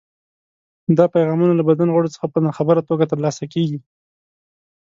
دا پیغامونه له بدن غړو څخه په ناخبره توګه ترلاسه کېږي.